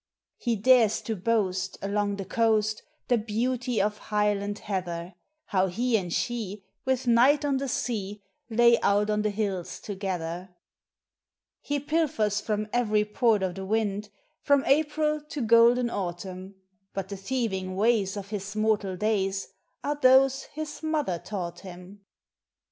He dares to boast, along the coast, The beauty of Highland Heather, — How he and she, with night on the sea, Lay out on the hills together. ANIMATE NATURE. 347 He pilfers from every port of the wind, From April to golden autumn; But the thieving ways of his mortal days Are those his mother taught him.